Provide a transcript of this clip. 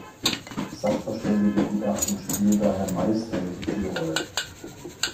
Sachverständigen-Gutachten spielen daher meist eine wichtige Rolle.